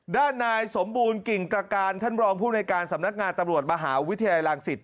ด้านนายสมบูรณกิ่งตรการท่านรองผู้ในการสำนักงานตำรวจมหาวิทยาลัยรังสิต